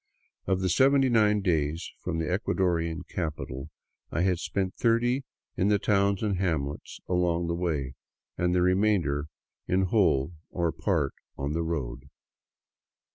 Of the 79 days from the Ecuadorian capital I had spent thirty in the towns and hamlets along the way, and the remainder in whole or part on the road.